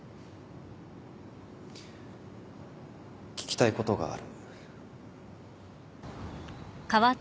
聞きたいことがある。